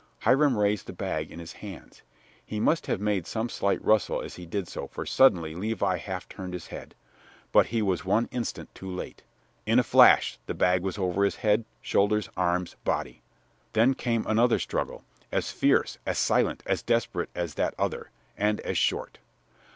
Hiram raised the bag in his hands. He must have made some slight rustle as he did so, for suddenly Levi half turned his head. But he was one instant too late. In a flash the bag was over his head shoulders arms body. Then came another struggle, as fierce, as silent, as desperate as that other and as short.